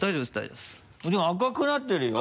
でも赤くなってるよ？